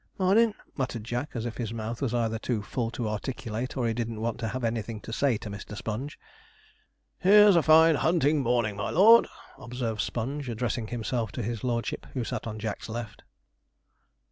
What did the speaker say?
'Mornin',' muttered Jack, as if his mouth was either too full to articulate, or he didn't want to have anything to say to Mr. Sponge. 'Here's a fine hunting morning, my lord,' observed Sponge, addressing himself to his lordship, who sat on Jack's left.